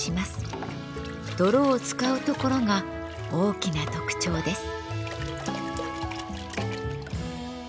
泥を使うところが大きな特徴です。